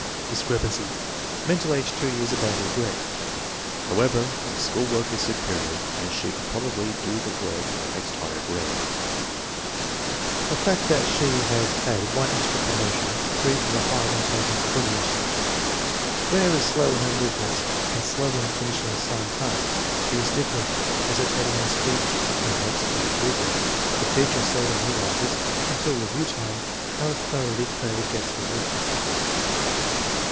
Discrepancy: Mental age two years above her grade. However, her school work is superior and she could proba bly do the work in the next higher grade. The fact that 108 INTELLIGENCE OP SCHOOL CHILDREN she has had one extra promotion agrees with her high in telligence quotient. Claire is slow in her movements and slow in finishing assigned tasks. She is diffident, hesitating in speech, and waits for approval. Her teacher seldom realizes, until re view time, how thoroughly Claire gets her work.